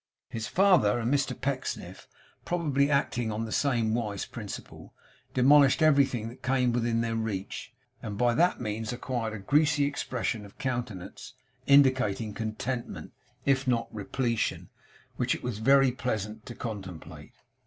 His father and Mr Pecksniff, probably acting on the same wise principle, demolished everything that came within their reach, and by that means acquired a greasy expression of countenance, indicating contentment, if not repletion, which it was very pleasant to contemplate.